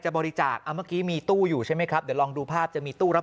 บริจาคเมื่อกี้มีตู้อยู่ใช่ไหมครับเดี๋ยวลองดูภาพจะมีตู้รับ